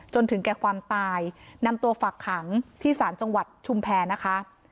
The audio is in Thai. จนถึงแก่ความตายนำตัวฝักขังที่ศาลจังหวัดชุมแพรนะคะ